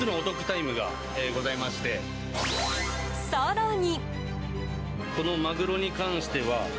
更に。